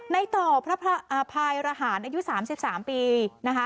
ในต่อพระภายรหารอายุสามสิบสามปีนะฮะ